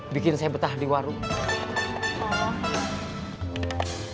bikin saya betah di warung